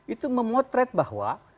itu memotret bahwa